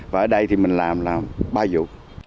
và ở đây thì mình làm là ba vụ